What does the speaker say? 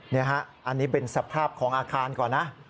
นี่ฮะอันนี้เป็นสภาพของอาคารก่อนนะ